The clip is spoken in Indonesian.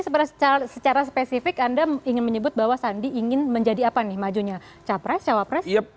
secara spesifik anda ingin menyebut bahwa sandi ingin menjadi apa nih majunya capres cawapres